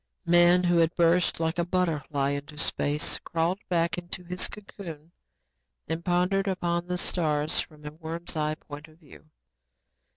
Man, who had burst like a butterfly into space, crawled back into his cocoon and pondered upon the stars from a worm's eye point of view.